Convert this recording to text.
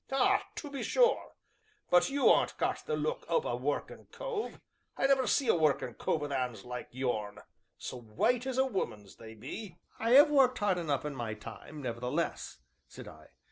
"Ah! to be sure but you aren't got the look o' a workin' cove. I never see a workin' cove wi' 'ands the like o' yourn, so white as a woman's they be." "I have worked hard enough in my time, nevertheless," said I.